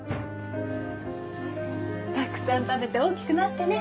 たくさん食べて大きくなってね